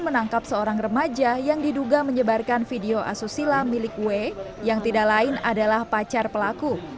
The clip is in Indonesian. menangkap seorang remaja yang diduga menyebarkan video asusila milik w yang tidak lain adalah pacar pelaku